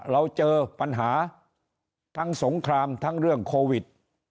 เราเจอปัญหาทั้งสงครามทั้งเรื่องโควิด